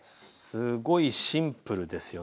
すごいシンプルですよね。